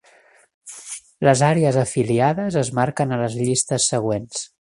Les àrees afiliades es marquen a les llistes següents.